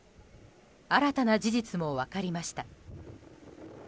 新たな事実も分かりました。